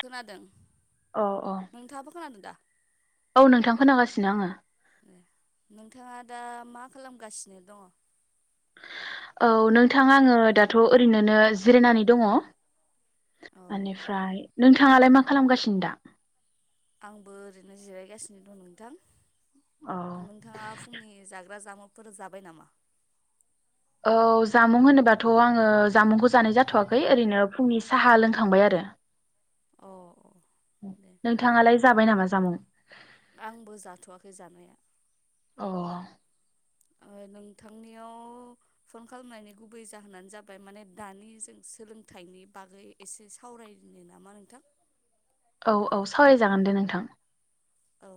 खोनादों अ नोंथाङाबो खोनादों दा? औ नोंथां खोनागासिनो आङो। नोंथाङा दा मा खालामगासिनो दङ? औ नोंथां आङो दाथ' ओरैनोनो जिरायनानै दङ। औ आनिफ्राय नोंथाङालाय मा खालामगासिनो दा? आंबो ओरैनो जिरायगासिनो दं नोंथां। औ नोंथाङा फुंनि जाग्रा जामु फोर जाबाय नामा? औ जामुं होनोबाथ' आङो जामुंखौ जानाय जाथ'वाखै ओरैनो फुंनि साहा लोंखांबाय आरो अ अ दे नोंथाङालाय? जाबाय नामा जामुं? आंबो जाथ'वाखै जानाया अ ओ नोंथांनियाव फन खालामनायनि गुबै जाहोनानो जाबाय माने दानि जों सोलोंथाइनि बागै एसे सावरायनो नामा नोंथां औ औ सावरायजागोन दे नोंथां औ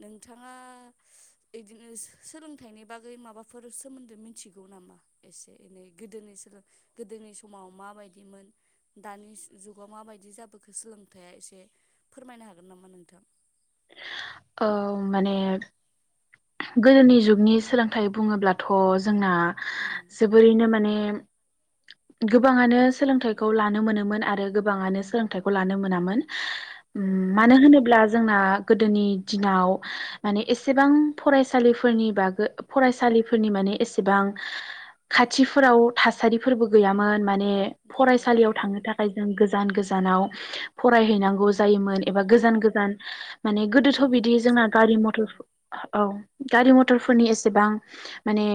नोंथाङा बिदिनो सोलोंथाइनि बागै माबाफोर सोमोनदै मिथिगौ नामा? एसे एनै गोदोनि समाव माबादिमोन दानि जुगाव माबादि जाबोखो सोलोंथाइआ एसे फोरमायनो हागोन? हागोन नामा नोंथां? औ माने गोदोनि जुगनि सोलोंथाइ बुङोब्लाथ' जोंना उम जोबोरैनो माने गोबाङानो सोलोंथाइखौ लानो मोनोमोन आरो गोबाङानो सोलोंथाइखौ लानो मोनामोन औ उम औ मानो होनोब्ला जोंना गोदोनि दिनाव माने एसेबां फरायसालिफोरनि बागै फरायसालिफोरनि माने एसेबां खाथिफोराव थासारिफोरबो गैयामोन माने गै औ फरायसालियाव थांनो गैयामोन थाखाय जों गोजान गोजानाव फरायहैनांगौ जायोमोन औ एबा गोजान गोजान माने गोदोथ' थांनो बिदि गोनां जोंना जायोमोन गारि औ मथर गारि मथरफोरनि एसेबां माने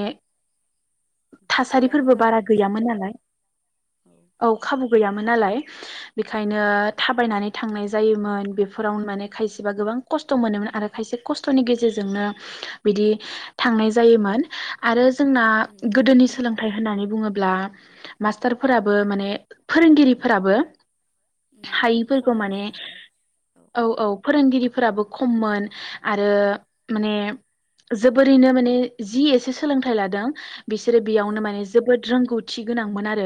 गैयामोन थासारिफोरबो आरो बारा खाबु गैयामोन नालाय औ खाबु गैयामोन नालाय उम बेखायनो थाबायनानै थांनाय जायोमोन बेफोराव माने खायसेबा गोबां खस्थ' मोनोमोन आरो खायसे खस्थ'नि गेजेरजोंनो बिदि थांनाय जायोमोन आरो जोंना उम उम गोदोनि सोलोंथाइ होननानै बुङोब्ला मास्टारफोराबो माने फोरोंगिरिफोराबो उम हायिफोरखौ माने खममोन आरो औ औ फोरोंगिरिफोराबो खममोन आरो माने जोबोरैनो माने जि एसे सोलोंथाइ लादों बिसोरो औ बेयावनो माने जोबोद रोंगौथि गोनांमोन आरो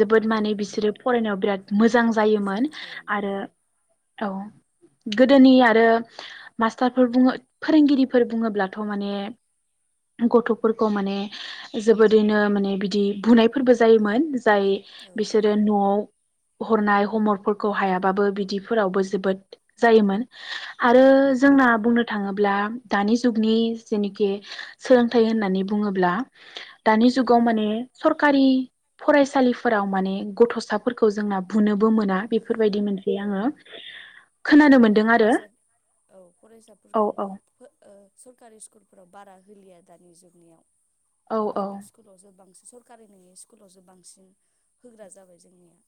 जोबोद औ माने बिसोरो औ फरायनायाव बिराद मोजां जायोमोन रोंखायोमोन आरो औ औ गोदोनि आरो मास्टारफोर बुङो फोरोंगिरि फोर बुङोब्लाथ' माने गथ'फोरखौ माने जोबोरैनो माने बिदि बुनायफोरबो जायोमोन जाय औ औ बिसोरो न'आव हरनाय हम वर्कफोरखौ हायाबाबो बिदिफोरावबो जोबोद जायोमोन। आरो औ जोंना बुंनो थाङोब्ला दानि जुगनि जेनोखि सोलोंथाइ होननानै बुङोब्ला दानि उम जुगाव माने सरकारि फरायसालिफोराव माने गथ'साफोरखौ जोंना बुंनो बो मोना हो बेफोरबायदि मोनसे औ आङो औ खोनानो मोनदों आरो औ औ औ। फरायसाफोरखौबो ओ सरकारि स्कुलफोराव बारा होलिया दानि जुगनियाव औ औ प्राइभेट स्कुलावसो बांसि सरकारि नोङै स्कुलावसो बांसिन होग्रा जाबाय जोंनिया।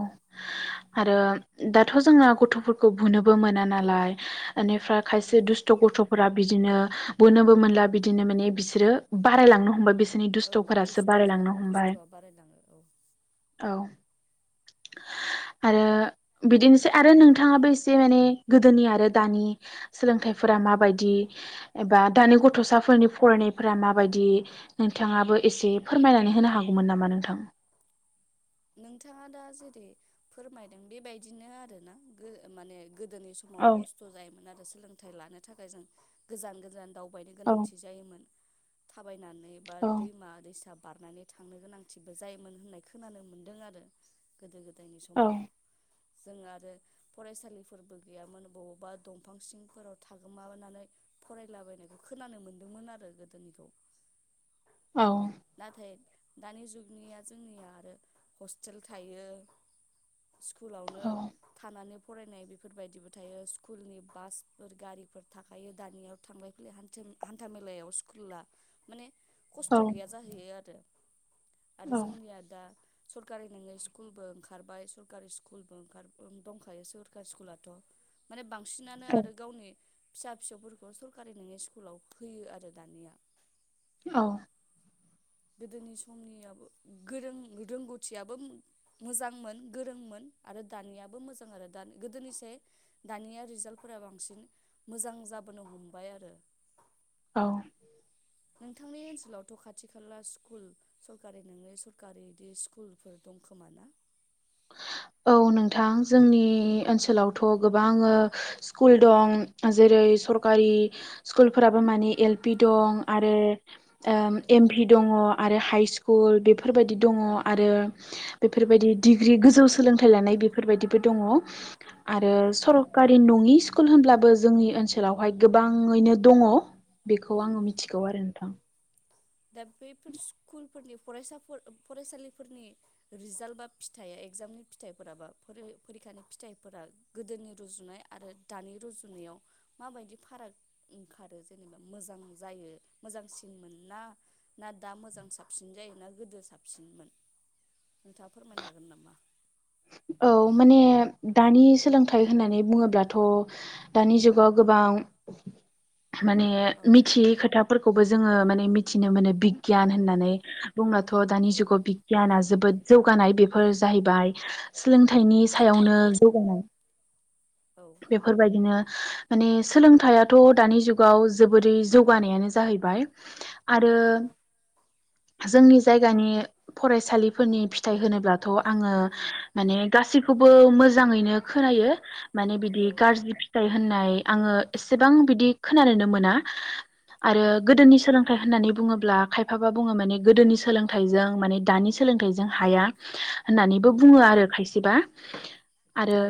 औ आरो दाथ' जोङा गथ'फोरखौ बुनोबो मोना नालाय ओनिफ्राय उम खायसे दुस्थ' गथ'फोरा बिदिनो बुनोबो मोनला बिदिनो माने बिसोरो बारायलांनो हमबाय बि सिनि औ दुस्थ'फोरासो दुस्थ' जा बारायलांनो हमबाय दुस्थ'आ बारायलाङो औ औ। आरो बिदिनोसै आरो नोंथाङाबो एसे माने गोदोनि आरो दानि सोलोंथाइफोरा माबायदि एबा दानि गथ'साफोरनि फरायनायफोरा माबायदि नोंथाङाबो एसे फोरमायनानै होनो हागौमोन नामा नोंथां? नोंथाङा दा जेरै फोरमायदों बेबायदिनो आरो ना गो माने गोदोनि समाव औ खस्थ' जायोमोन आरो सोलोंथाइ लानो थाखाय जों। गोजान गोजान दाउ बायनो औ गोनांथि जायोमोन थाबायनान नै बा औ दैमा दैसा बारनानै थांनो गोनांथिबो जायोमोन होननाय खोनानो मोन दों आरो गोदो गोद दायनि औ समाव। जों आरो फरायसालिफोरबो गैयामोन बबावबा दंफां सिंफोराव थागोमानानै फरायलाबायनायखौ खोनानो मोनदोंमोन आरो गोदोनिखौ। औ नाथाय दानि जुगनिया जोंनिया आरो हस्टेल थायो स्कुलावनो थानानै फरायनाय बेफोरबायदिबो थायो स्कुलनि बासफोर गारिफोर थाखायो दानियाव थांलाय फैलाय हानथिम हान्था मेलायाव स्कुला माने खस्थ' औ गैया जाहैयो आरो। आरो जोंनिया दा सरकारि नोङै स्कुलबो ओंखारबाय सरकारि स्कुलबो ओंखार दंखायो सरकारि स्कुलाथ' माने बां बांसिनानो औ आरो गावनि फिसा फिसौफोरखौ सरकारि नोङै स्कुलाव होयो आरो दानिया। औ गोदोनि समनियाबो गोरों रोंगौथियाबो मोजांमोन गोरोंमोन आरो दानियाबो मोजां आरो द गोदोनिस दानिया रिजाल्टफोरा बांसिन मोजां जाबोनो हमबाय आरो। औ नोंथांनि ओनसोलावथ' खाथि खाला स्कुल सरखारि नोङै सरखारि बिदि स्कुलफोर दंखोमा ना? औ नोंथां जोंनि ओनसोलावथ' गोबां ओ स्कुल दं जेरै सरकारि स्कुलफोराबो मानिे एल पि औ दं आरो ओ औ एम भि दङ आरो हाइई स्कुल स्कुल बेफोरबायदि दङ आरो बेफोरबायदि डिग्रि गोजौ सोलोंथाइ लानाय बेफोरबायदिबो दङ। औ आरो उम सरकारि नङि स्कुल होनब्लाबो जोंनि ओनसोलावहाय गोबाङैनो दङ। बेखौ आङो उम मिथिगौ आरो नोंथां। दा बेफोर स्कुल फोरनि फरायसाफोर फरायसालिफोरनि रिजाल्ट बा फिथाइ एगजामनि फिथाइफोरा बा फरिखानि फिथाइफोरा गोदोनि रुजुनाय आरो दानि रुजुनायाव माबायदि फाराग ओंखारो जेनेबा मोजां जायो मोजांसिन मोनना ना दा मोजां साबसिन जायो ना गोदो साबसिनमोन नोंथाङा फोरमायनो हागोन नामा? औ माने दानि सोलोंथाइ होननानै बुङोब्लाथ' दानि जुगाव गोबां माने औ मिथियै खोथा फोरखौबो जोङो माने मिथिनो मोनो। औ बिगियान औ होननानै बुंब्लाथ' दानि औ जुगाव बिगियाना जोबोद जौ जौगानाय बेफोर जाहैबाय सोलोंथाइनि सायावनो औ जौगानाय औ बेफोरबायदिनो माने सोलोंथाइयाथ' दानि जुगाव जोबोरै जौगानायानो जाहैबाय। आरो उम उम जोंनि जायगानि फरायसालिफोरनि फिथाइ होनोब्लाथ' आङो उम माने गासैखौबो मोजां मोजाङैनो खोनायो माने औ बिदि गाज्रि फिथाइ होननाय आङो एसेबां बिदि खोनानोनो मोना। आरो गोदोनि सोलोंथाइ होननानै बुङोब्ला खायफाबा बुङो माने गोदोनि सोलोंथाइजों माने दानि सोलोंथाइजों हाया होननानै उम बुङो आरो खायसेबा [inaudible] आरो औ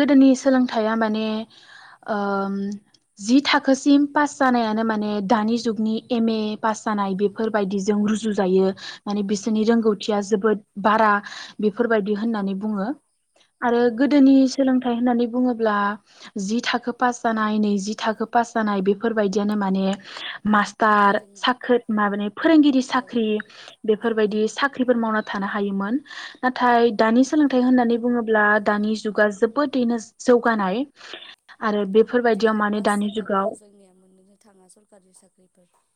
गोदोनि सोलोंथाइया माने जि थाखोसिम पास जानायानो माने दानि जुगनि एम ए पास जानाय बेफोरबायदिजों रुजु जायो माने बिसोरनि रोंगौथिया जोबोद बारा बेफोर बेफोरबायदि औ होननानै बुङो आरो औ औ गोदोनि सोलोंथाइ होननानै बुङोब्ला ब्ला जि थाखो पास जानाय नैजि थाखो पास जानाय बेफोरबायदियानो माने मास्टार गोरों साख्रि माबाने फोरोंगिरि औ साख्रि बेफोरबायदि साख्रि साख्रिफोर मावना थानो हायोमोन। नाथाय दानि औ सोलोंथाइ होननानै बुङोब्ला। दानि जुगा जोबोदैनो जौगानाय। आरो बेफोरबायदियाव डिग्रि माने पास दानि जाबाबो जुगाव जोंनिया मोननोनो थाङा सरखारि साख्रिफोर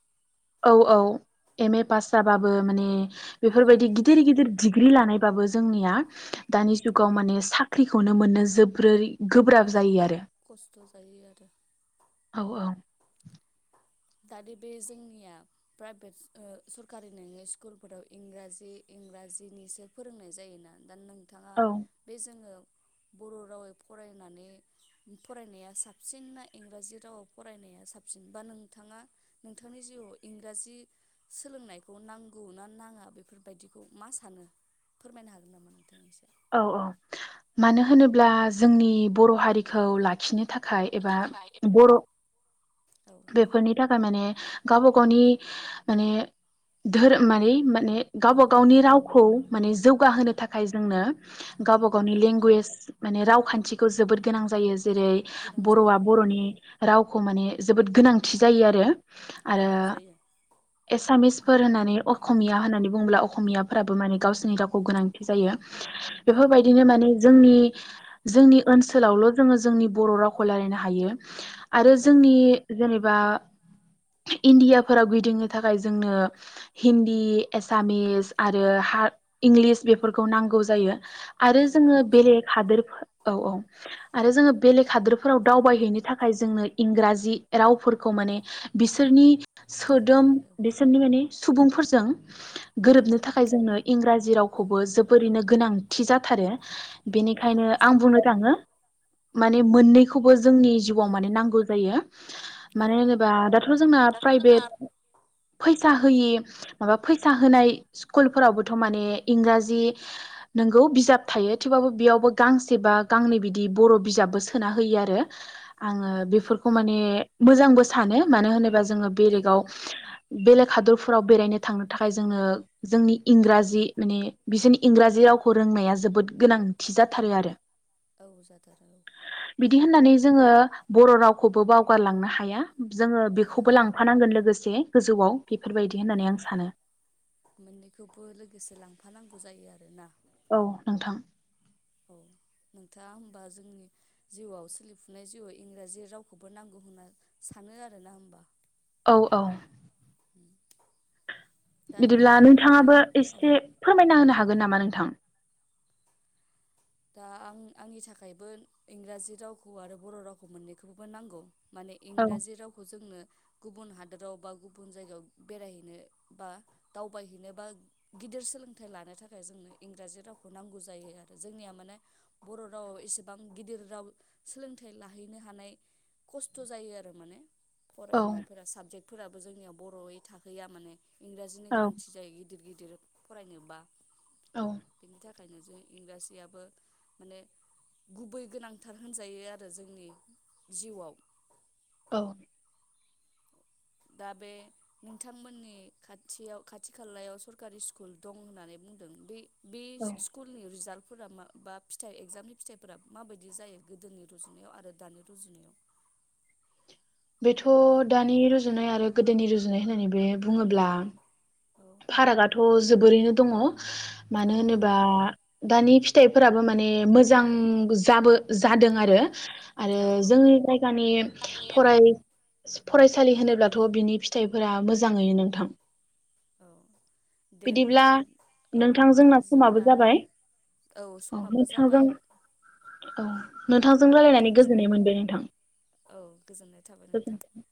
औ औ एम ए पास जाबाबो माने मोननो बेफोरबायदि थाङा गिदिर गिदिर दिग्रि थानायबाबो जोंनिया दानि जुगाव माने साख्रिखौनो मोननो जोबोरै गोब्राब जायो आरो। खस्थ' जायो आरो। औ औ दानि बे जोंनिया प्राइभेट सरखारि नङै स्कुलफोराव इंराजि इंराजिनिसो फोरोंनाय जायोना दा नों। नोंथाङा औ बे जोङो बर' रावै फरायनानै फरायनाया साबसिन ना इंराजि रावाव फरायनाया साबसिन बा नों नोंथाङा नोंथांनि जिउआव इंराजि सोलोंनायखौ नांगौ ना नाङा बेफोरबायदिखौ मा सानो फोरमायनो हागोन नामा नोंथांनिसम? औ औ मानो होनोब्ला जोंनि बर' हारिखौ लाखिनो थाखाय खाय एबा थाखाय बर' औ बेफोरनि थाखाय माने गावबा गावनि माने धोरोम माने औ गावबा औ गावनि रावखौ माने जौगाहोनो थाखाय जोंनो गावबा गावनि औ लेंगुवेज माने रावखान्थिखौ जोबोद गोनां जायो। जेरै गोनां जायो बर'आ औ बर'नि राव खौ माने जोबोद गोनांथि जायो आरो आरो औ जायो एसामिसफोर होननानै असमिया होननानै बुङोब्ला असमियाफोराबो माने गावसोरनि रावखौ गोनां। जायो। औ बेफोरबायदिनो माने जोंनि जोंनि ओनसोलावल' जोङो जोंनि बर' रावखौ रायलायनो हायो। आरो औ जोंनि। जेनेबा इणडिया फोराव गिदिंनो थाखाय जोंनो हिन्दी एसामिस आरो हा इंलिस बेफोरखौ नांगौ। आरो औ जोङो नांगौ जायो बेलेग हादरफोराव औ औ जोङो बेलेग हादरफोराव दावबायनाय हैनो थाखाय जोंनो इंराजि जि रावफोरखौ माने बिसोरनि नांगौ सोदोम जायो औ बिसोरनि माने सुबुंफोरजों औ गोरोबनो थाखाय जोंनो इंराजि रावखौबो जोबोरैनो गोनांथि जाथारो बेनिखायनो नांगौ आं जायो बुंनो थाङो माने मोननैखौबो जोंनि जिउआव माने नांगौ जायो। औ मानो औ होनोबा दाथ जोंना दाथ' जोंना प्राइभेट फैसा होयि माबा फै सा होनाय स्कुलफोरावबोथ माने इंराजि नोंगौ बिजाब थायो थेवबाबो बेयावबो गांसे बा गांनै बिदि बर' बिजाबबो सोना होयो आरो। आङो बेफोरखौ माने मोजांबो सानो मानो होनोबा जों जोङो औ बेलेगाव बेलैग हादरफोराव बेरायनो थांनो थाखाय जोंनो जोंनि इंराजि माने बिसोरनि इंराजि रावखौ रोंनाया जोबोद गोनांथि जाथारो आरो। औ जाथारो औ बिदि होननानै जोङो बर' राव खौबो बावगारलांनो हाया। जोङो हाया बेखौबो औ लांफानांगोन लोगोसे गोजौआव बेफोरबायदि होननानै आं सानो मोननैखौबो लोगोसे लांफानांगौ जायो आरो। [inaudible] औ नोंथां औ नोंथाङा होनबा जोंनि जिउआव सोलिफुनाय जिउवाव इंराजि रावखौबो नांगौ होनना सानो आरोना होनबा? औ औ दा बिदिब्ला नोंथांमोननि नोंथाङाबो औ एसे फोरमायना होनो हा गोन नामा नोंथां? दा आं आंनि थाखायबो इंराजि रावखौ आरो बर' रावखौ मोननैखौबो नांगौ। माने औ इंराजि रावखौ जोंनो गुबुन हादोराव बा गुबुन जायगायाव बेरायहैनो बा दावबायहैनो बा गिदिर सोलोंथाइ लानो थाखाय जोंनो इंराजि रावखौ नांगौ जायो आरो जोंनिया माने बर' रावाव एसेबां गिदिर राव सोलोंथाइ लाहैनो हानाय खस्थ जायो आरो माने औ फरायनायफोरा साबजेक्ट फोराबो जोंनियाव बर'यै थाहैया माने इंराजिनि औ गोनांथि जायो। गिदिर गिदिर फरायनोबा औ खायनो जों इंराजियाबो माने गुबै गोनांथार होनजायो आरो जोंनि जिउवाव। औ दा बे नोंथांमोननि खाथियाव खाथि खालायाव सरकारि स्कुल दं होननानै बुंदों बै बे औ स्कुलनि रिजाल्ट फोरा मा बा फिथाइ एगजामनि फिथाइफोरा माबायदि जायो गोदोनि रुजुनायाव आरो दानि रुजुनायाव? बेथ' दानि रुजुनाय आरो गोदोनि रुजुनाय होननानै बे बुङोब्ला औ फारागाथ' जोबोरैनो दङ मानो औ होनोबा दानि [unintelligible] फिथाइफोराबो माने मोजां जाबो जादों आरो आरो औ औ जोंनि जायगानि माने फराय फरायसालि होनोब्लाथ' बिनि फिथाइफोरा मोजाङैनो नोंथां औ दे होमबा बिदिब्ला औ नोंथां नोंथांजोंना समाबो जोंना जाबाय औ समाबो नोंथांजों जाबाय औ नोंथांजों औ नोंथां रायलायनानै गोजोननाय मोनबाय नोंथां औ गोजोननाय थाबाय नोंथां गोजोन्थों